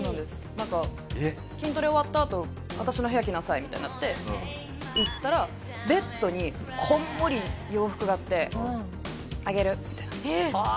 なんか「筋トレ終わったあと私の部屋来なさい」みたいになって行ったらベッドにこんもり洋服があって「あげる」みたいな。えっ！